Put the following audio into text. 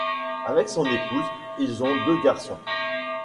Avec son épouse, ils ont deux garçons.